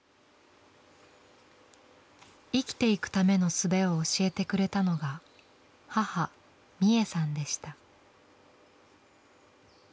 生きていくためのすべを教えてくれたのが母ミエさんでした。